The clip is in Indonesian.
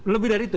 lebih dari itu